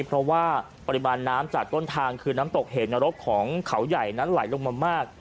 เพราะว่าปริมาณน้ำจากต้นทางคือน้ำตกเหนรกของเขาใหญ่นั้นไหลลงมามาก